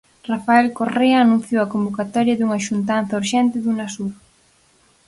Rafael Correa anunciou a convocatoria dunha xuntanza urxente de Unasur.